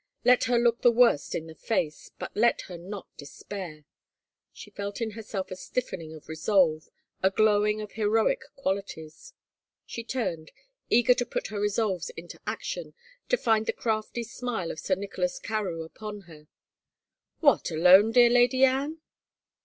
Let her look the worst in the face, but let her not despair! She felt in herself a stiffening of resolve, a glowing of heroic qual ities. She turned, eager to put her resolves into action, to find the crafty smile of Sir Nicholas Carewe upon her. " What, alone, dear Lady Anne?